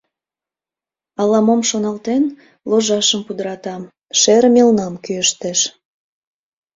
Ала-мом шоналтен, ложашым пудырата, шере мелнам кӱэштеш.